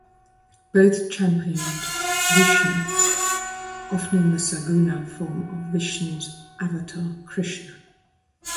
Both championed Vishnu, often in the "saguna" form of Vishnu's avatar Krishna.